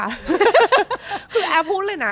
คือแอฟพูดเลยนะ